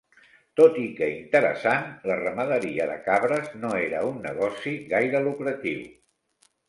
Tot i que interessant, la ramaderia de cabres no era un negoci gaire lucratiu.